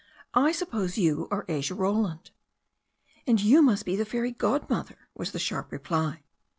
"I suppose you are Asia Roland." "And you must be the fairy godmother," • was the sharp reply.